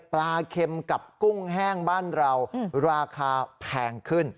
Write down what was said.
เค็มกับกุ้งแห้งบ้านเราราคาแพงขึ้น